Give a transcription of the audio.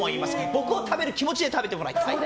僕を食べる気持ちで食べてもらいたい！